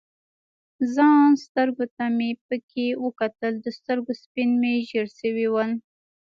ځان سترګو ته مې پکې وکتل، د سترګو سپین مې ژړ شوي ول.